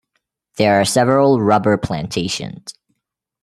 There are several rubber plantations.